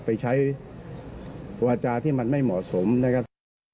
ไปใช้วาจาที่มันไม่เหมาะสมนะครับ